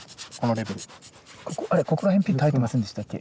ここら辺ピッと入ってませんでしたっけ？